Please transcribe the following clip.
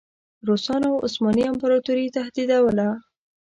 روسانو عثماني امپراطوري تهدیدوله.